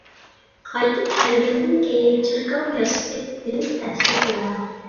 قايتىپ كەلگەندىن كېيىن چېركاۋ ياسىتىپ ئىلىم تەھسىل قىلغان.